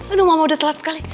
aduh mama udah telat kali